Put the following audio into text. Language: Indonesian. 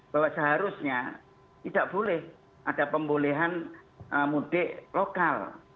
bahwa seharusnya tidak boleh ada pembolehan mudik lokal